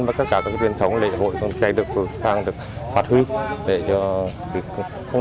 mà tất cả các truyền thống lễ hội cũng đang được phát triển